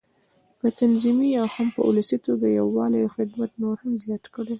په تنظيمي او هم په ولسي توګه یووالی او خدمت نور هم زیات کړي.